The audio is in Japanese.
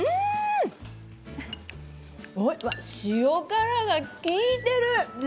塩辛が利いてる。